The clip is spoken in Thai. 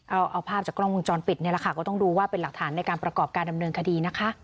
เอาภาพจากกล้องวงจรปิดนี่แหละค่ะก็ต้องดูว่าเป็นหลักฐานในการประกอบการดำเนินคดีนะคะ